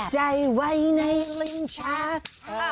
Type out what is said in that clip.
เอ็ดใจไว้ในลิ้มชาติ